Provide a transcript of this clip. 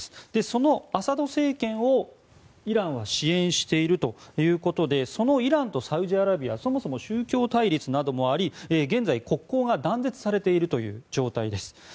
そのアサド政権をイランは支援しているということでそのイランとサウジアラビアそもそも宗教対立などもあり現在、国交が断絶されているという状態です。